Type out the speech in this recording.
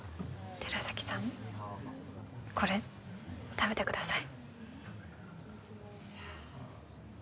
寺崎さんこれ食べてください